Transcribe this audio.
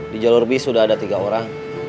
di jalur bis sudah ada tiga orang